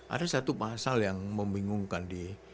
ada satu pasal yang membingungkan di